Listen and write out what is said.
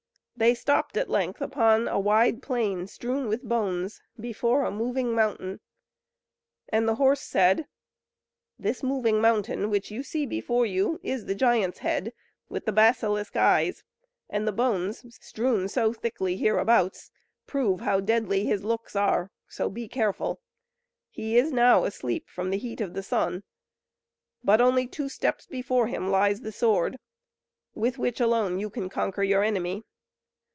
They stopped at length upon a wide plain strewn with bones, before a moving mountain. And the horse said: "This moving mountain, which you see before you, is the giant's head with the basilisk eyes; and the bones strewn so thickly hereabouts prove how deadly his looks are so be careful. He is now asleep from the heat of the sun; but only two steps before him lies the sword, with which alone you can conquer your enemy.